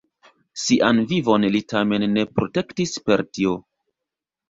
Sian vivon li tamen ne protektis per tio.